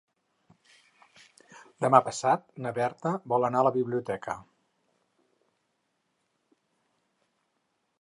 Demà passat na Berta vol anar a la biblioteca.